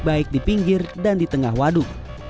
baik di pinggir dan di tengah waduk